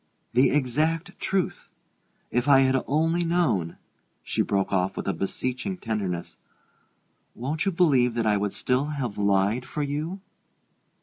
"The exact truth. If I had only known," she broke off with a beseeching tenderness, "won't you believe that I would still have lied for you?"